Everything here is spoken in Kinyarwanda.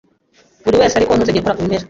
Buriwese ariko ntuzigere ukora ku bimera